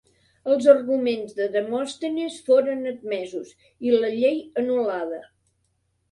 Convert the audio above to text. Els arguments de Demòstenes foren admesos i la llei anul·lada.